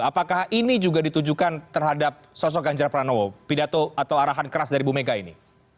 apakah ini juga ditujukan terhadap sosok ganjar pranowo pidato atau arahan keras dari bu mega ini